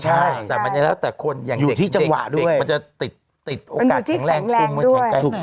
ใช่แต่มันจะแล้วแต่คนอย่างเด็กมันจะติดโอกาสแข็งแรงด้วย